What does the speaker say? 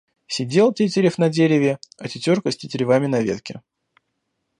Сидел тетерев на дереве, а тетерка с тетеревами на ветке.